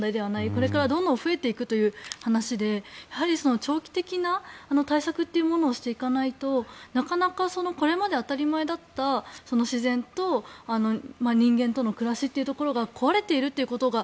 これからどんどん増えていくという話で長期的な対策っていうものをしていかないとなかなかこれまで当たり前だった自然と人間との暮らしというところが壊れているということが